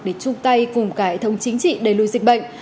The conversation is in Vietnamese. để chung tay cùng cải thống chính trị đẩy lùi dịch bệnh